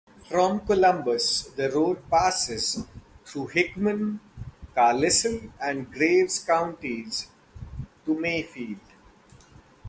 From Columbus, the road passes through Hickman, Carlisle, and Graves Counties to Mayfield.